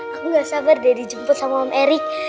aku gak sabar dari jemput sama om erik